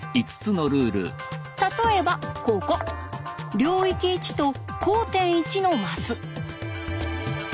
例えばここ領域１と交点１のマス。